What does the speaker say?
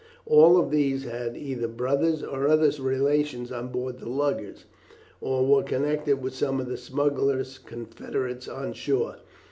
All of these had either brothers or other relations on board the luggers, or were connected with some of the smugglers' confederates on shore.